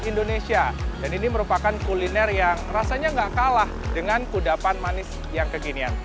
indonesia dan ini merupakan kuliner yang rasanya nggak kalah dengan kudapan manis yang kekinian